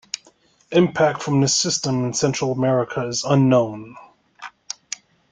Impact from this system in Central America is unknown.